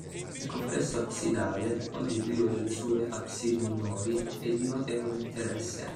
Il complesso absidale, oggi privo delle due absidi minori, è di notevole interesse.